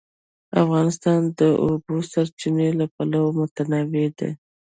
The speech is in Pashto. افغانستان د د اوبو سرچینې له پلوه متنوع دی.